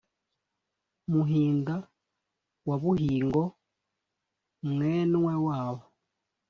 muhinda wa buhingo, mwenw wabo